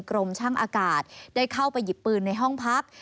กรมช่างอากาศได้เข้าไปหยิบปืนในห้องพัก